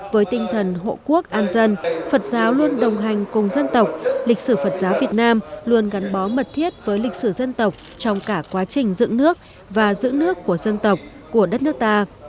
với tinh thần hộ quốc an dân phật giáo luôn đồng hành cùng dân tộc lịch sử phật giáo việt nam luôn gắn bó mật thiết với lịch sử dân tộc trong cả quá trình dựng nước và giữ nước của dân tộc của đất nước ta